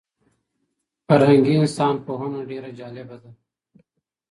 فرهنګي انسان پوهنه ډېره جالبه ده.